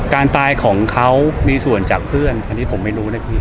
การตายของเขามีส่วนจากเพื่อนอันนี้ผมไม่รู้นะพี่